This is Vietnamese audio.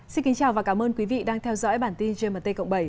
xin kính chào và cảm ơn quý vị đang theo dõi bản tin gmt cộng bảy